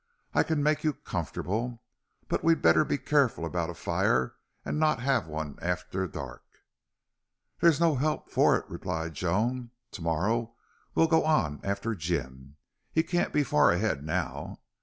I can make you comfortable. But we'd better be careful about a fire an' not have one after dark." "There's no help for it," replied Joan. "Tomorrow we'll go on after Jim. He can't be far ahead now."